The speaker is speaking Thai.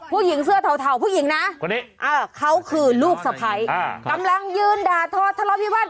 ผู้หญิงเสื้อเทาผู้หญิงนะคนนี้เขาคือลูกสะพ้ายกำลังยืนด่าทอทะเลาวิวาส